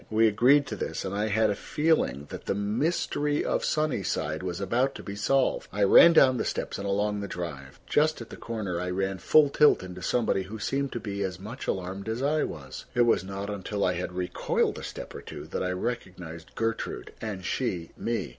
We agreed to this, and I had a feeling that the mystery of Sunnyside was about to be solved. I ran down the steps and along the drive. Just at the corner I ran full tilt into somebody who seemed to be as much alarmed as I was. It was not until I had recoiled a step or two that I recognized Gertrude, and she me.